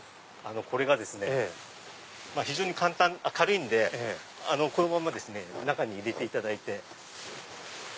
これがですね非常に軽いんでこのまま中に入れていただいて。